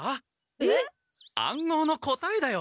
えっ？暗号の答えだよ！